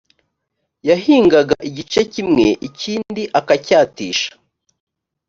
yahingaga igice kimwe ikindi akacyatisha